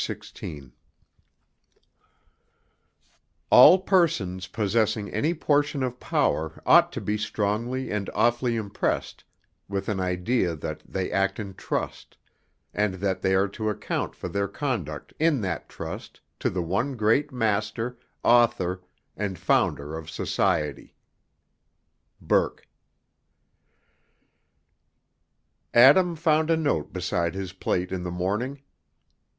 XVI All persons possessing any portion of power ought to be strongly and awfully impressed with an idea that they act in trust, and that they are to account for their conduct in that trust to the one great Master, Author, and Founder of society. BURKE. Adam found a note beside his plate in the morning.